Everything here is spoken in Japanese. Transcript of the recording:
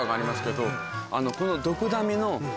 このドクダミの。